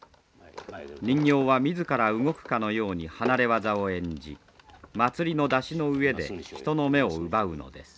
人形は自ら動くかのように離れ業を演じ祭りの山車の上で人の目を奪うのです。